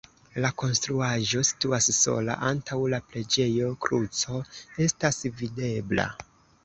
La konstruaĵo situas sola, antaŭ la preĝejo kruco estas videbla.